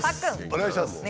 お願いします。